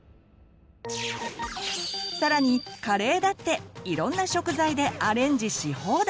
さらにカレーだっていろんな食材でアレンジし放題！